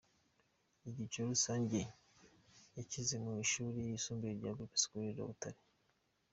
Icyiciro rusange yacyize mu ishuri ryisumbuye rya Group Scolaire de Butare .